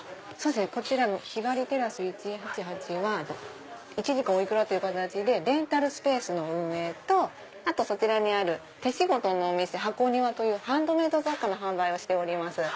こちらひばりテラス１１８は１時間お幾らという形でレンタルスペースの運営とあとそちらにある手仕事のお店ＨＡＣＯＮＩＷＡというハンドメイド雑貨の販売をしております。